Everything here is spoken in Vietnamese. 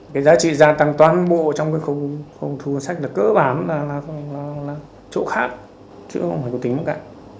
cái giá trị gia tăng toàn bộ trong cái thù vận sạch là cơ bản là chỗ khác chứ không phải có tính bất cả